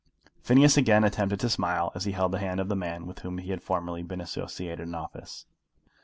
Phineas again attempted to smile as he held the hand of the man with whom he had formerly been associated in office.